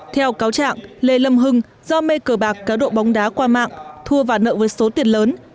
theo cáo trạng lê lâm hưng do mê cờ bạc cá độ bóng đá qua mạng thu và nợ với số tiền lớn